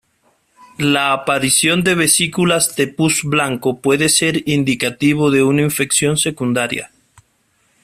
La aparición de vesículas de pus blanco puede ser indicativo de una infección secundaria.